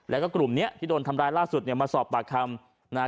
และกลุ่มนี้ที่โดนทำร้ายล่าสุดมาสอบประคำ